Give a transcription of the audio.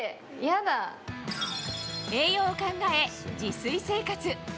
栄養を考え、自炊生活。